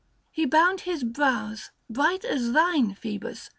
He bound his brows, Bright as thine, Phoebus